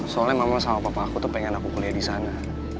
soalnya mama sama papa aku tuh pengen aku kuliah di sana